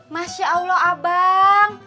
masya allah abang